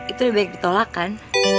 itu lebih baik ditolak kan